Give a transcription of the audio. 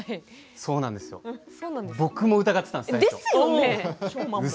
僕も疑っていたんですよ。